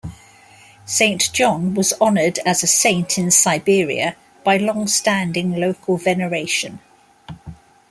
Saint John was honoured as a saint in Siberia by longstanding local veneration.